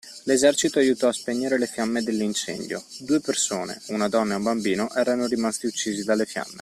L’esercito aiutò a spegnere le fiamme dell’incendio: due persone, una donna e un bambino, erano rimasti uccisi dalle fiamme.